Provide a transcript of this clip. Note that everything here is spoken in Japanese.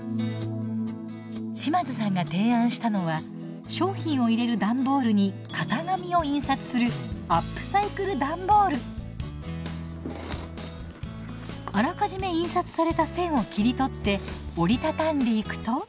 島津さんが提案したのは商品を入れる段ボールに型紙を印刷するあらかじめ印刷された線を切り取って折り畳んでいくと。